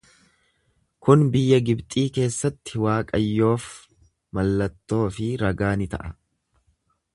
Kun biyya Gibxii keessatti Waaqayyoof mallattoo fi ragaa ni ta'a.